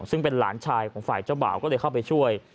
ซึ่งเป็นหลานชายของฝ่ายเจ้าบ่าวก็เลยเข้าไปช่วย